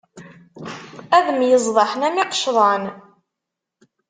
Ad myeẓḍaḥen am yiqecḍan.